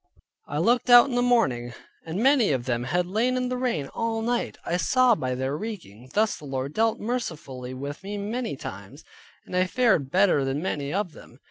I looked out in the morning, and many of them had lain in the rain all night, I saw by their reeking. Thus the Lord dealt mercifully with me many times, and I fared better than many of them.